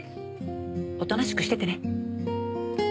おとなしくしててね。